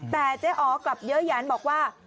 แต่เจ๊อ๋อกลับเยอะหยันบอกว่า